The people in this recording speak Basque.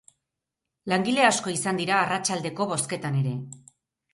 Langile asko izan dira arratsaldeko bozketan ere.